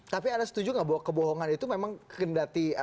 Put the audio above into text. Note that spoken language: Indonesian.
tapi anda setuju nggak bahwa kebohongan itu memang kendati